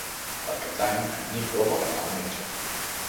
Per Cap d'Any en Nico vol anar al metge.